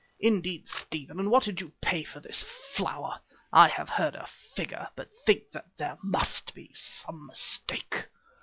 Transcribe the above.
"Indeed, Stephen, and what did you pay for this flower? I have heard a figure, but think that there must be some mistake."